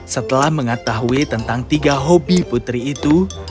setelah mengetahui tentang tiga hobi putri itu